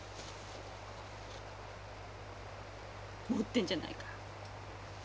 持ってんじゃないか。